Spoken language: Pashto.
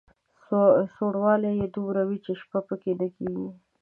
سوړوالی یې دومره وي چې شپه په کې نه کېږي.